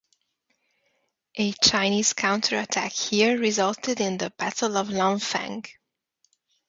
A Chinese counterattack here resulted in the Battle of Lanfeng.